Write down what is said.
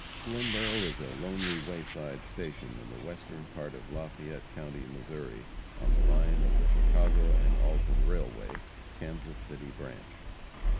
Glendale is a lonely wayside station in the western part of Lafayette county, Missouri, on the line of the Chicago & Alton railway, Kansas City branch.